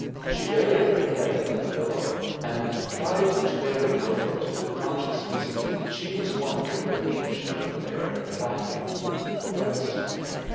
She buried her head in her pillow and tried to bury with it the consciousness that she was wondering if Evesham were there laughing with the rest.